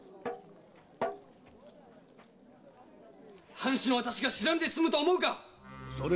藩主の私が知らぬで済むと思うか！